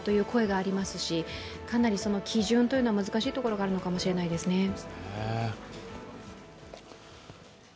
声がありますしかなり基準というのは難しいところがあるのかもしれないですね。